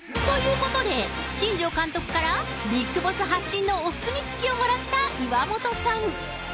ということで、新庄監督からビッグボス発信のお墨付きをもらった岩本さん。